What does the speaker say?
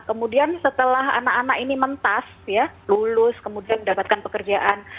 kemudian setelah anak anak ini mentas ya lulus kemudian mendapatkan pekerjaan